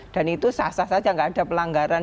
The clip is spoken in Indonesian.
dan itu sah sah saja gak ada pelanggaran